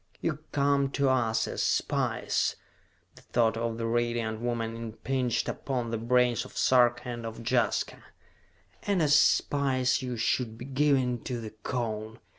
"You come to us as spies," the thought of the Radiant Woman impinged upon the brains of Sarka and of Jaska, "and as spies you should be given to the Cone.